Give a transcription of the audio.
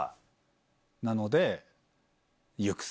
なので。